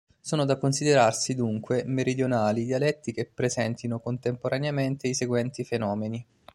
Sono da considerarsi, dunque, meridionali i dialetti che presentino contemporaneamente i seguenti fenomeni.